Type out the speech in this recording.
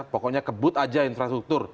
pokoknya kebut aja infrastruktur